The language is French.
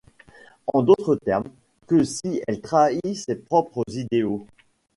En d'autres termes : que si elle trahit ses propres idéaux.